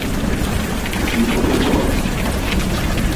Ichopo choon?